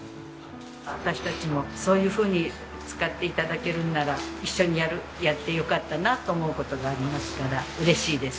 私たちもそういうふうに使って頂けるなら一緒にやってよかったなと思う事がありますから嬉しいです。